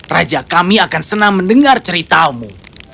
raja kami akan senang mendengar ceritamu